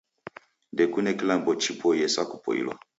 Ndekune kilambo chipoiye sa kupoilwa